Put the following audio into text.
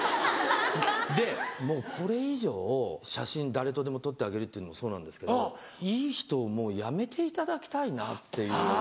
でもうこれ以上写真誰とでも撮ってあげるっていうのもそうなんですけどいい人をもうやめていただきたいなっていう。